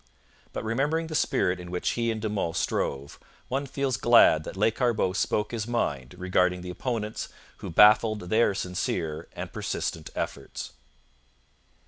But remembering the spirit in which he and De Monts strove, one feels glad that Lescarbot spoke his mind regarding the opponents who baffled their sincere and persistent efforts.